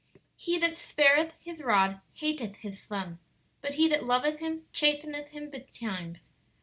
"He that spareth his rod hateth his son: but he that loveth him chasteneth him betimes."